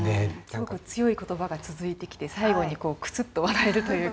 すごく強い言葉が続いてきて最後にクスッと笑えるというか。